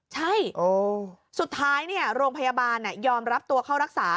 ใช่สุดท้ายโรงพยาบาลยอมรับตัวเข้ารักษา